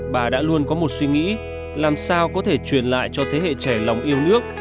bà đã luôn có một suy nghĩ làm sao có thể truyền lại cho thế hệ trẻ lòng yêu nước